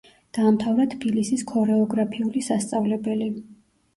დაამთავრა თბილისის ქორეოგრაფიული სასწავლებელი.